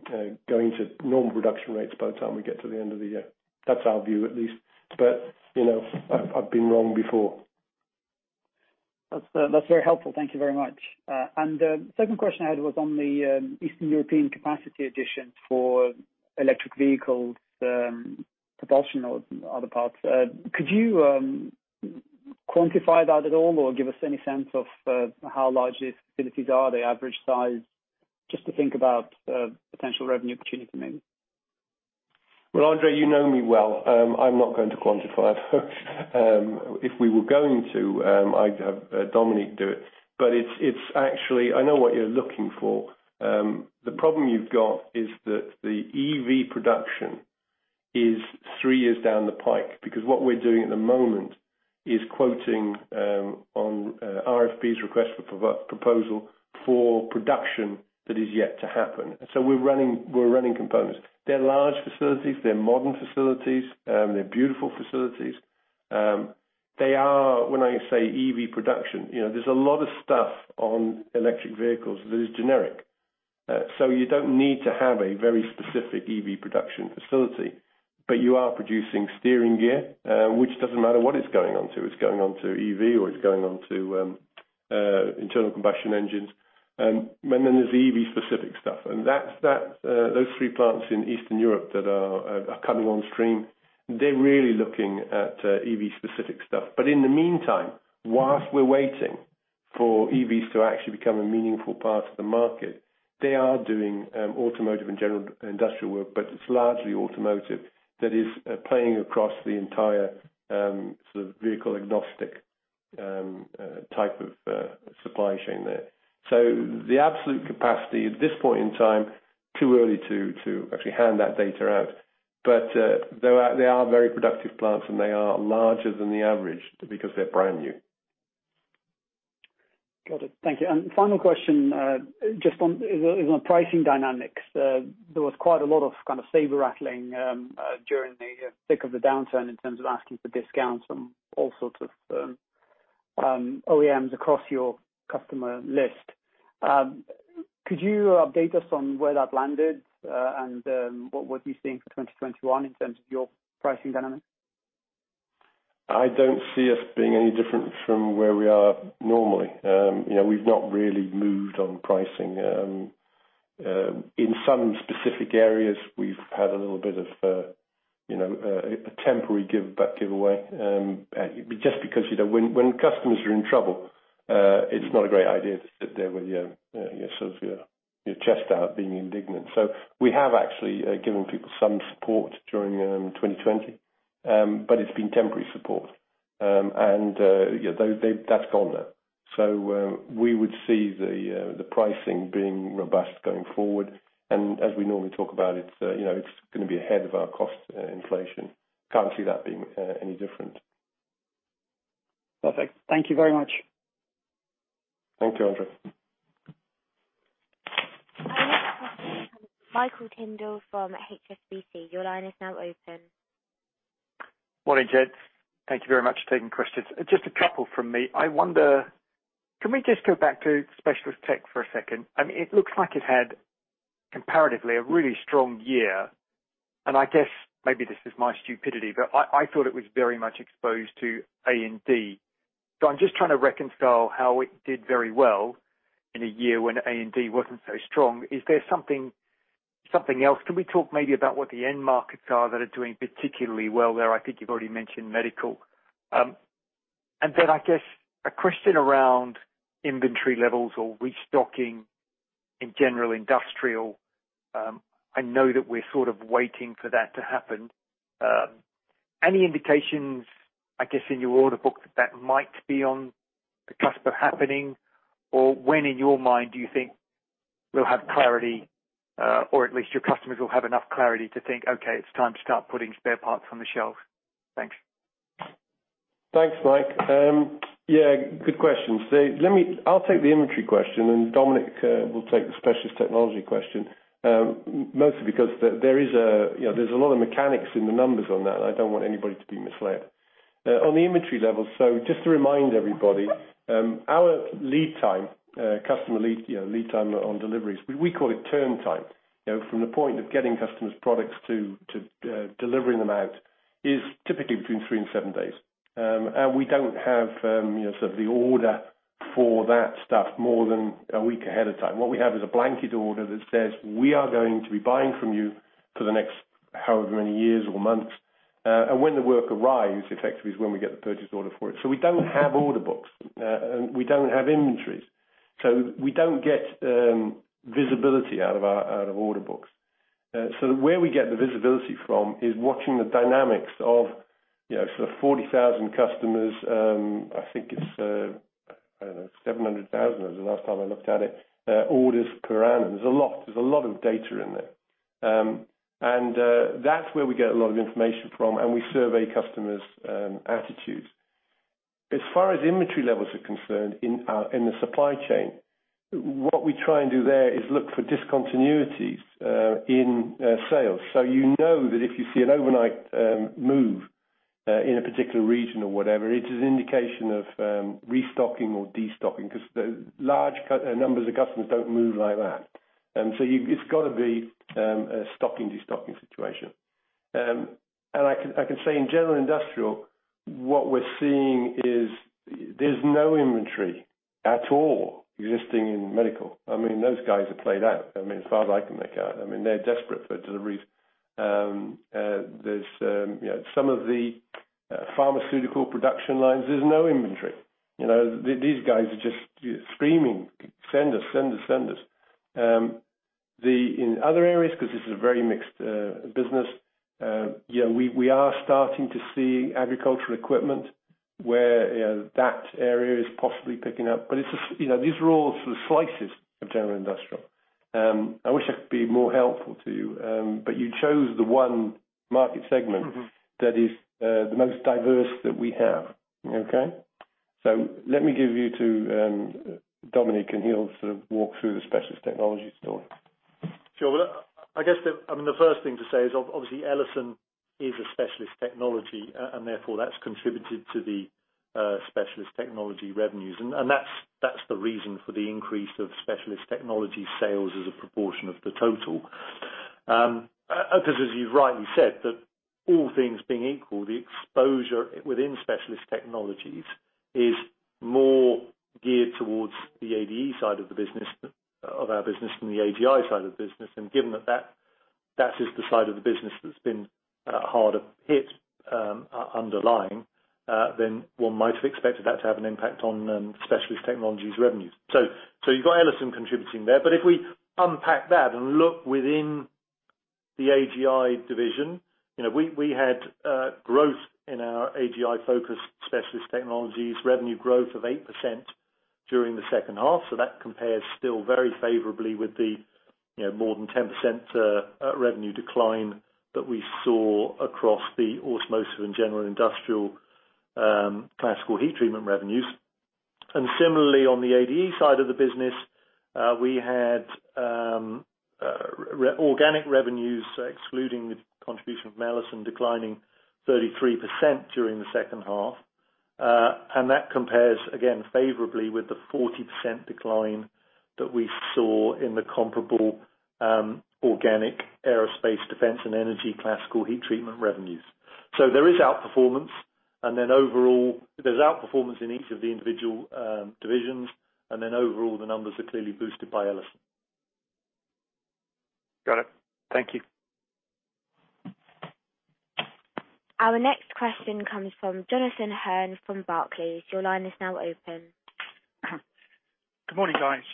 S2: to normal production rates by the time we get to the end of the year. That's our view, at least. But, you know, I've been wrong before.
S6: That's, that's very helpful. Thank you very much. Second question I had was on the Eastern European capacity addition for electric vehicles, propulsion or other parts. Could you quantify that at all or give us any sense of how large these facilities are, their average size, just to think about potential revenue opportunity maybe?
S1: Well, Andre, you know me well. I'm not going to quantify it. If we were going to, I'd have, Dominique do it. But it's, it's actually I know what you're looking for. The problem you've got is that the EV production is three years down the pike because what we're doing at the moment is quoting, on, RFPs, requests for proposal for production that is yet to happen. And so we're running we're running components. They're large facilities. They're modern facilities. They're beautiful facilities. They are when I say EV production, you know, there's a lot of stuff on electric vehicles that is generic. So you don't need to have a very specific EV production facility. But you are producing steering gear, which doesn't matter what it's going onto. It's going onto EV, or it's going onto, internal combustion engines. And then there's the EV-specific stuff. And that's those three plants in Eastern Europe that are coming on stream, they're really looking at EV-specific stuff. But in the meantime, whilst we're waiting for EVs to actually become a meaningful part of the market, they are doing Automotive and General Industrial work. But it's largely automotive that is playing across the entire sort of vehicle-agnostic type of supply chain there. So the absolute capacity at this point in time, too early to actually hand that data out. But they are very productive plants, and they are larger than the average because they're brand new.
S6: Got it. Thank you. And final question, just on pricing dynamics. There was quite a lot of kind of saber rattling during the thick of the downturn in terms of asking for discounts from all sorts of OEMs across your customer list. Could you update us on where that landed, and what you're seeing for 2021 in terms of your pricing dynamics?
S1: I don't see us being any different from where we are normally. You know, we've not really moved on pricing. In some specific areas, we've had a little bit of, you know, a temporary give-back giveaway, just because, you know, when customers are in trouble, it's not a great idea to sit there with your sort of chest out being indignant. So we have actually given people some support during 2020. But it's been temporary support. And, you know, that's gone now. So, we would see the pricing being robust going forward. And as we normally talk about, it's, you know, it's going to be ahead of our cost inflation. Can't see that being any different.
S6: Perfect. Thank you very much.
S2: Thank you, Andre.
S3: Our next question is from Michael Tyndall from HSBC. Your line is now open.
S7: Morning, Jed. Thank you very much for taking questions. Just a couple from me. I wonder, can we just go back to Specialist Tech for a second? I mean, it looks like it had, comparatively, a really strong year. And I guess maybe this is my stupidity, but I, I thought it was very much exposed to A&D. So I'm just trying to reconcile how it did very well in a year when A&D wasn't so strong. Is there something, something else? Can we talk maybe about what the end markets are that are doing particularly well there? I think you've already mentioned medical. And then I guess a question around inventory levels or restocking in general industrial. I know that we're sort of waiting for that to happen. Any indications, I guess, in your order book that that might be on the cusp of happening? Or when in your mind do you think we'll have clarity, or at least your customers will have enough clarity to think, "Okay, it's time to start putting spare parts on the shelves"? Thanks.
S1: Thanks, Mike. Yeah, good questions. So let me, I'll take the inventory question, and Dominique will take the specialist technology question, mostly because there is a, you know, there's a lot of mechanics in the numbers on that. I don't want anybody to be misled on the inventory level, so just to remind everybody, our lead time, customer lead, you know, lead time on deliveries, we call it turn time. You know, from the point of getting customers' products to delivering them out is typically between three and seven days. And we don't have, you know, sort of the order for that stuff more than a week ahead of time. What we have is a blanket order that says, "We are going to be buying from you for the next however many years or months." And when the work arrives, effectively, is when we get the purchase order for it. So we don't have order books. And we don't have inventories. So we don't get visibility out of our order books. So where we get the visibility from is watching the dynamics of, you know, sort of 40,000 customers, I think it's, I don't know, 700,000 was the last time I looked at it, orders per annum. There's a lot. There's a lot of data in there. And that's where we get a lot of information from. And we survey customers' attitudes. As far as inventory levels are concerned in our supply chain, what we try and do there is look for discontinuities in sales. So you know that if you see an overnight move in a particular region or whatever, it is an indication of restocking or destocking because the large customer numbers of customers don't move like that. So it's got to be a stocking destocking situation. And I can say in general industrial, what we're seeing is there's no inventory at all existing in medical. I mean, those guys have played out, I mean, as far as I can make out. I mean, they're desperate for deliveries. There's, you know, some of the pharmaceutical production lines, there's no inventory. You know, these guys are just screaming, "Send us. Send us. Send us." Then in other areas, because this is a very mixed business, you know, we are starting to see agricultural equipment where, you know, that area is possibly picking up. But it's just, you know, these are all sort of slices of general industrial. I wish I could be more helpful to you, but you chose the one market segment that is the most diverse that we have. Okay? So let me give you to Dominique, and he'll sort of walk through the specialist technology story.
S8: Sure. Well, I guess, I mean, the first thing to say is, obviously, Ellison is a Specialist Technology, and therefore, that's contributed to the Specialist Technology revenues. And that's the reason for the increase of Specialist Technology sales as a proportion of the total, because, as you've rightly said, all things being equal, the exposure within Specialist Technologies is more geared towards the ADE side of the business of our business than the AGI side of the business. And given that that is the side of the business that's been harder hit underlying, than one might have expected that to have an impact on Specialist Technologies revenues. So you've got Ellison contributing there. But if we unpack that and look within the AGI division, you know, we had growth in our AGI-focused specialist technologies, revenue growth of 8% during the second half. So that compares still very favorably with the, you know, more than 10% revenue decline that we saw across the Automotive and General Industrial Classical Heat Treatment revenues. And similarly, on the ADE side of the business, we had real organic revenues, excluding the contribution of Ellison, declining 33% during the second half. And that compares, again, favorably with the 40% decline that we saw in the comparable organic Aerospace, Defense and Energy Classical Heat Treatment revenues. So there is outperformance. And then overall, there's outperformance in each of the individual divisions. And then overall, the numbers are clearly boosted by Ellison.
S7: Got it. Thank you.
S3: Our next question comes from Jonathan Hurn from Barclays. Your line is now open.
S9: Good morning, guys.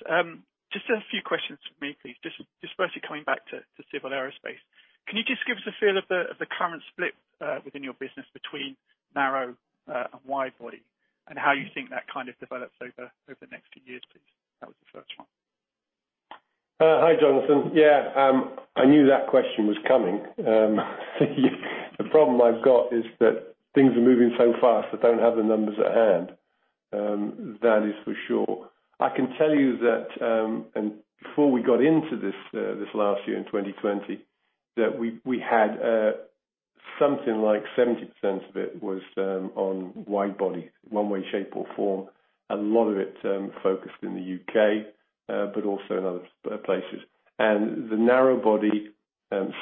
S9: Just a few questions from me, please. Basically coming back to civil aerospace. Can you just give us a feel of the current split within your business between narrow-body and wide-body, and how you think that kind of develops over the next few years, please? That was the first one.
S8: Hi, Jonathan. Yeah, I knew that question was coming. The problem I've got is that things are moving so fast. I don't have the numbers at hand. That is for sure. I can tell you that, and before we got into this, this last year in 2020, that we had something like 70% of it was on widebody, one way shape or form. A lot of it focused in the U.K., but also in other places. And the narrowbody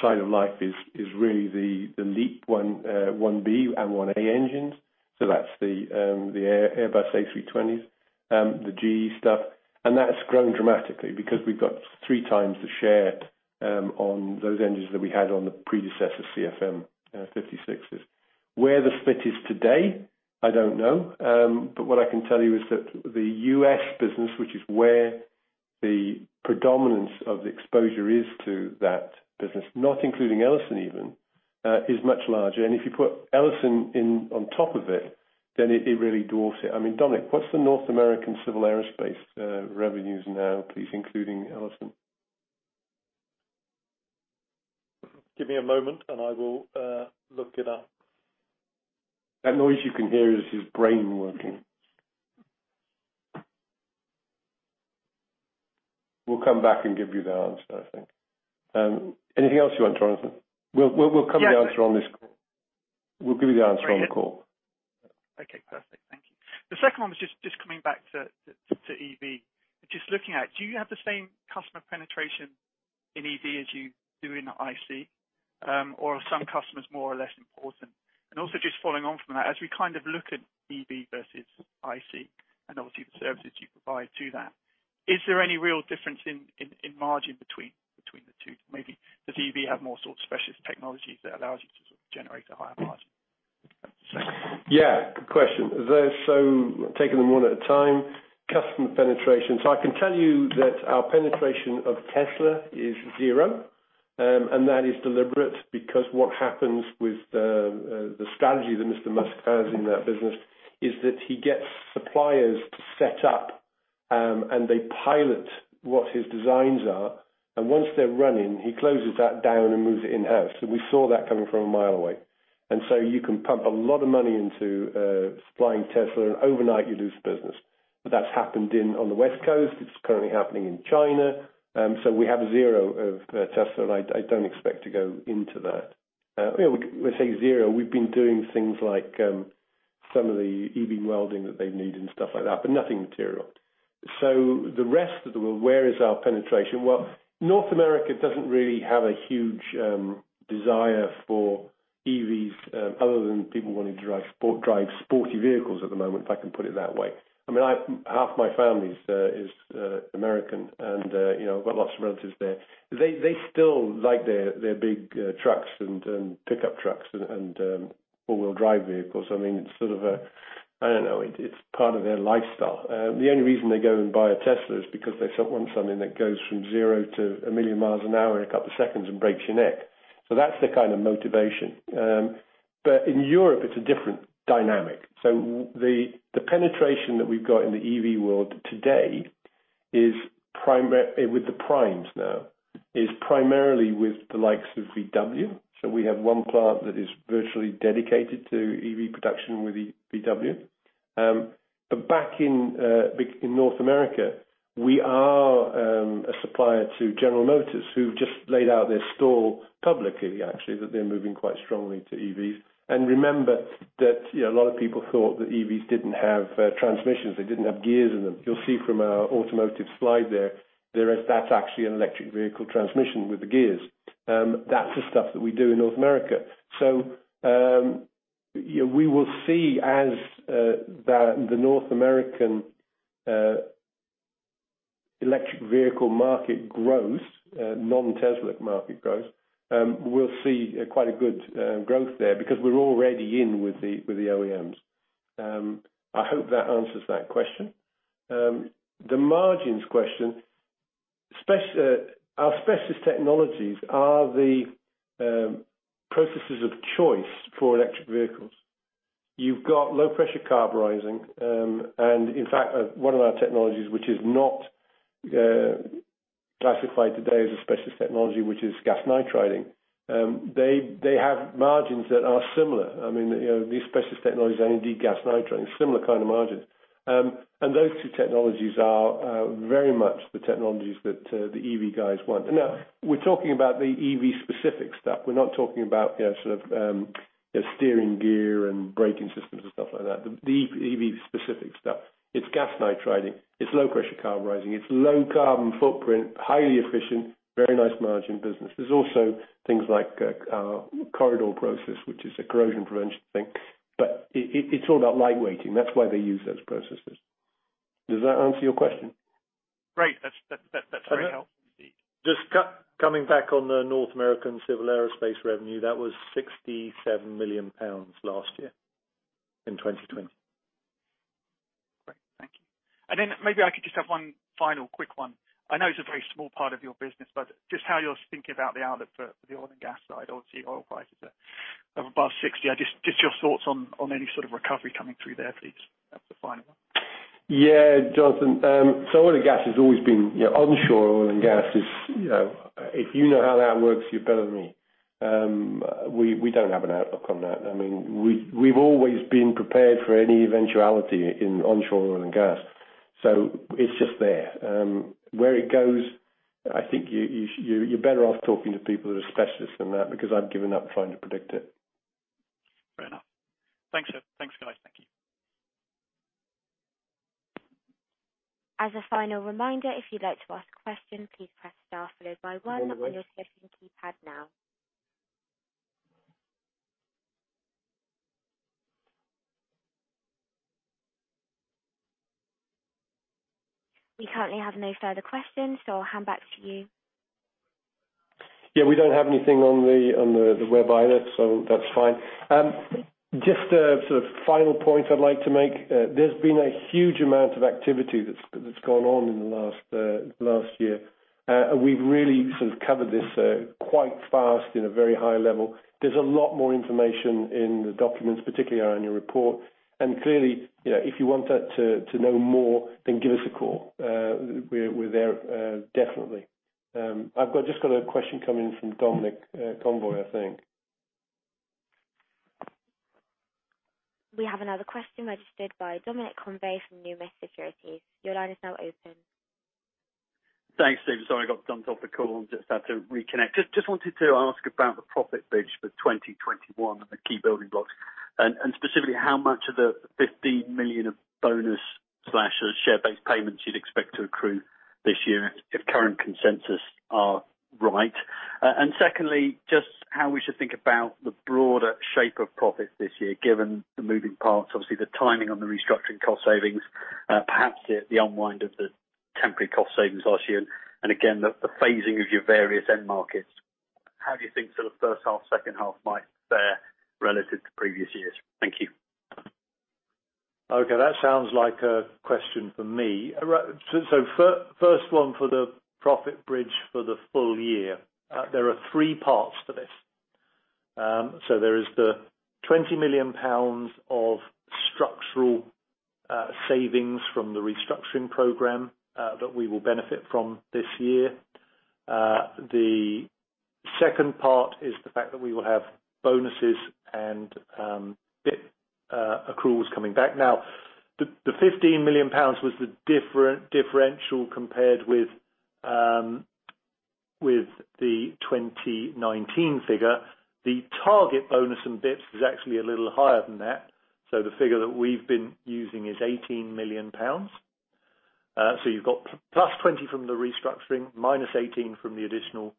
S8: side of life is really the LEAP-1B and LEAP-1A engines. So that's the Airbus A320s, the GE stuff. And that's grown dramatically because we've got three times the share on those engines that we had on the predecessor CFM56s. Where the split is today, I don't know. But what I can tell you is that the U.S. business, which is where the predominance of the exposure is to that business, not including Ellison even, is much larger. And if you put Ellison in on top of it, then it really dwarfs it. I mean, Dominique, what's the North American civil aerospace revenues now, please, including Ellison? Give me a moment, and I will look it up. That noise you can hear is his brain working. We'll come back and give you the answer, I think. Anything else you want, Jonathan? We'll, we'll, we'll come with the answer on this call.
S9: Yeah.
S2: We'll give you the answer on the call.
S9: Okay. Perfect. Thank you. The second one was just coming back to EV and just looking at do you have the same customer penetration in EV as you do in IC, or are some customers more or less important? And also just following on from that, as we kind of look at EV versus IC and, obviously, the services you provide to that, is there any real difference in margin between the two? Maybe does EV have more sort of specialist technologies that allows you to sort of generate a higher margin? That's the second one.
S2: Yeah. Good question. As I say, taking them one at a time, customer penetration. So I can tell you that our penetration of Tesla is zero. And that is deliberate because what happens with the strategy that Mr. Musk has in that business is that he gets suppliers to set up, and they pilot what his designs are. And once they're running, he closes that down and moves it in-house. And we saw that coming from a mile away. And so you can pump a lot of money into supplying Tesla, and overnight, you lose the business. But that's happened in on the West Coast. It's currently happening in China. So we have zero of Tesla. And I don't expect to go into that. You know, we say zero. We've been doing things like some of the EV welding that they need and stuff like that, but nothing material. So the rest of the world, where is our penetration? Well, North America doesn't really have a huge desire for EVs, other than people wanting to drive sporty vehicles at the moment, if I can put it that way. I mean, half my family is American. And, you know, I've got lots of relatives there. They still like their big trucks and pickup trucks and four-wheel-drive vehicles. I mean, it's sort of a, I don't know. It's part of their lifestyle. The only reason they go and buy a Tesla is because they so want something that goes from 0 to 1 million miles an hour in a couple of seconds and breaks your neck. So that's the kind of motivation. but in Europe, it's a different dynamic. So the penetration that we've got in the EV world today is primarily with the primes now is primarily with the likes of VW. So we have one plant that is virtually dedicated to EV production with EW. but back in North America, we are a supplier to General Motors who've just laid out their stall publicly, actually, that they're moving quite strongly to EVs. And remember that, you know, a lot of people thought that EVs didn't have transmissions. They didn't have gears in them. You'll see from our automotive slide there, there is that's actually an electric vehicle transmission with the gears. that's the stuff that we do in North America. So, you know, we will see as that the North American electric vehicle market grows, non-Tesla market grows, we'll see quite a good growth there because we're already in with the OEMs. I hope that answers that question. The margins question, especially our Specialist Technologies are the processes of choice for electric vehicles. You've got low-pressure carburizing. And in fact, one of our technologies, which is not classified today as a Specialist Technology, which is gas nitriding, they have margins that are similar. I mean, you know, these Specialist Technologies are indeed gas nitriding, similar kind of margins. And those two technologies are very much the technologies that the EV guys want. And now, we're talking about the EV-specific stuff. We're not talking about, you know, sort of, you know, steering gear and braking systems and stuff like that, the EV-specific stuff. It's gas nitriding. It's low-pressure carburizing. It's low-carbon footprint, highly efficient, very nice margin business. There's also things like our Corr-I-Dur process, which is a corrosion prevention thing. But it, it's all about lightweighting. That's why they use those processes. Does that answer your question?
S9: Great. That's very helpful, indeed.
S2: Just coming back on the North American civil aerospace revenue, that was 67 million pounds last year in 2020.
S9: Great. Thank you. And then maybe I could just have one final quick one. I know it's a very small part of your business, but just how you're thinking about the outlook for the oil and gas side. Obviously, oil prices are above $60. I just your thoughts on any sort of recovery coming through there, please. That's the final one.
S2: Yeah, Jonathan. So oil and gas has always been, you know, onshore oil and gas is, you know, if you know how that works, you're better than me. We don't have an outlook on that. I mean, we've always been prepared for any eventuality in onshore oil and gas. So it's just there. Where it goes, I think you're better off talking to people that are specialists than that because I've given up trying to predict it.
S9: Fair enough. Thanks, sir. Thanks, guys. Thank you.
S3: As a final reminder, if you'd like to ask a question, please press star followed by one on your telephone keypad now. We currently have no further questions, so I'll hand back to you.
S2: Yeah, we don't have anything on the web either, so that's fine. Just a sort of final point I'd like to make. There's been a huge amount of activity that's gone on in the last year. And we've really sort of covered this quite fast in a very high level. There's a lot more information in the documents, particularly our annual report. And clearly, you know, if you want to know more, then give us a call. We're there, definitely. I've just got a question coming in from Dominic Convey, I think.
S3: We have another question registered by Dominic Convey from Numis Securities. Your line is now open.
S10: Thanks, Stephen. Sorry, I got dumped off the call and just had to reconnect. Just, just wanted to ask about the profit bridge for 2021 and the key building blocks, and, and specifically how much of the 15 million of bonus/share-based payments you'd expect to accrue this year if, if current consensus are right. And secondly, just how we should think about the broader shape of profit this year given the moving parts, obviously, the timing on the restructuring cost savings, perhaps the unwind of the temporary cost savings last year, and, and again, the, the phasing of your various end markets. How do you think sort of first half, second half might fare relative to previous years? Thank you.
S2: Okay. That sounds like a question for me. So first one for the profit bridge for the full year. There are three parts to this. So there is the 20 million pounds of structural savings from the restructuring program that we will benefit from this year. The second part is the fact that we will have bonuses and BIP accruals coming back. Now, the 15 million pounds was the differential compared with the 2019 figure. The target bonus and BIPs is actually a little higher than that. So the figure that we've been using is 18 million pounds. So you've got plus 20 from the restructuring, minus 18 from the additional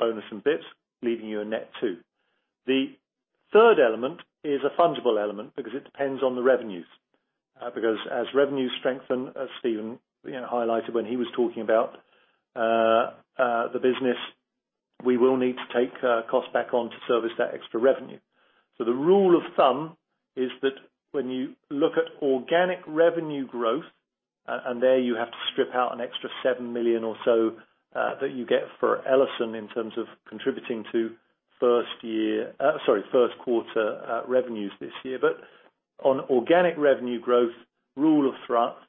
S2: bonus and BIPs, leaving you a net two. The third element is a fungible element because it depends on the revenues, because as revenues strengthen, as Stephen, you know, highlighted when he was talking about the business, we will need to take costs back on to service that extra revenue. So the rule of thumb is that when you look at organic revenue growth, and, and there you have to strip out an extra 7 million or so, that you get for Ellison in terms of contributing to first year sorry, first quarter, revenues this year. But on organic revenue growth, rule of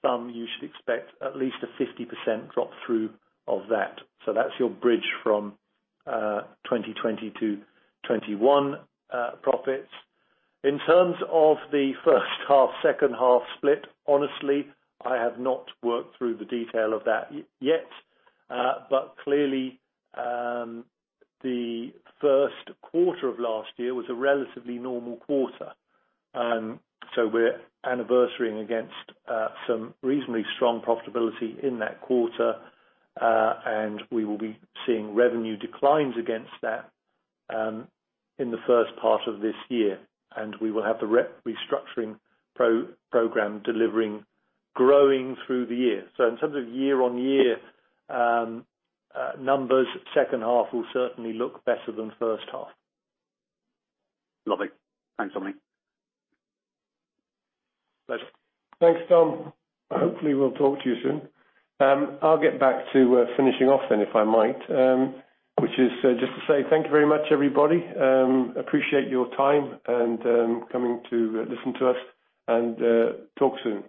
S2: thumb, you should expect at least a 50% drop-through of that. So that's your bridge from 2020 to 2021 profits. In terms of the first half, second half split, honestly, I have not worked through the detail of that yet. But clearly, the first quarter of last year was a relatively normal quarter. So we're anniversaring against some reasonably strong profitability in that quarter. We will be seeing revenue declines against that in the first part of this year. We will have the restructuring program delivering growth through the year. In terms of year-on-year numbers, second half will certainly look better than first half.
S10: Lovely. Thanks, Dominic.
S2: Pleasure. Thanks, Tom. Hopefully, we'll talk to you soon. I'll get back to finishing off then, if I might, which is just to say thank you very much, everybody. Appreciate your time and coming to listen to us and talk soon.